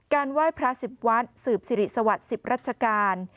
การไหว้พระ๑๐วัฒนธรรมสืบสิริสวัสดิ์๑๐รัชกาล